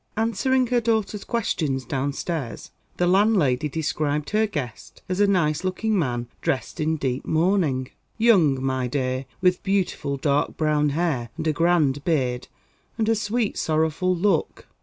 Answering her daughter's questions downstairs, the landlady described her guest as a nice looking man dressed in deep mourning. "Young, my dear, with beautiful dark brown hair, and a grand beard, and a sweet sorrowful look.